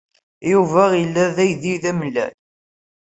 Yuba ila aydi d amellal.